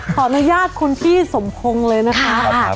ขออนุญาตคุณพี่สมพงศ์เลยนะคะ